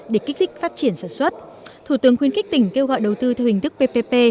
để kích thích phát triển sản xuất thủ tướng khuyến khích tỉnh kêu gọi đầu tư theo hình thức ppp